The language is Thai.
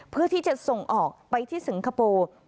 เพื่อที่จะส่งออกไปที่สิงคโปร์